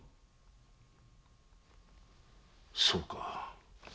そうか。